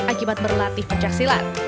akibat berlatih pencaksilan